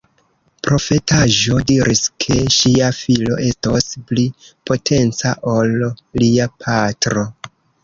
Profetaĵo diris, ke ŝia filo estos pli potenca ol lia patro.